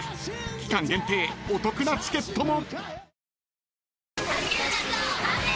［期間限定お得なチケットも］